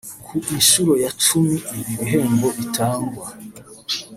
Ku nshuro ya cumi ibi bihembo bitangwa